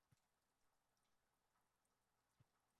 Zafarlarimdan beri taxdidlar ko‘paydi.